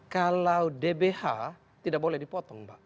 kalau dbh tidak boleh dipotong mbak